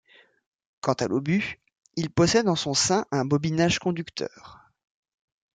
Quant à l'obus, il possède en son sein un bobinage conducteur.